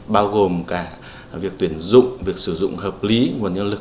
bao gồm cả việc tuyển dụng việc sử dụng hợp lý nguồn nhân lực